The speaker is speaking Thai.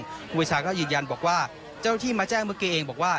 ครูปีชาก็ยืนยันบอกว่าเจ้าที่มาแจ้งเมื่อกี้เองบอกว่า